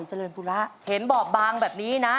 เห็นบอบบางแบบนี้นะ